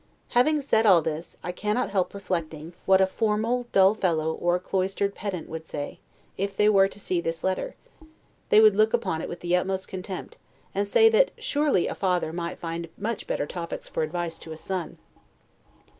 Having said all this, I cannot help reflecting, what a formal dull fellow, or a cloistered pedant, would say, if they were to see this letter: they would look upon it with the utmost contempt, and say that surely a father might find much better topics for advice to a son.